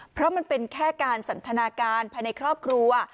เพราะมันเป็นแค่การสันทนาการภายในครอบครัว